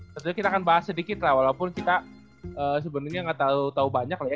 tentunya kita akan bahas sedikit lah walaupun kita sebenernya gak tau tau banyak loh ya